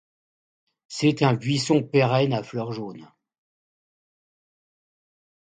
C'est un buisson pérenne à fleurs jaunes.